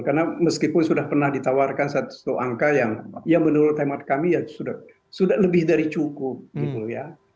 karena meskipun sudah pernah ditawarkan satu satu angka yang menurut temat kami sudah lebih dari cukup gitu ya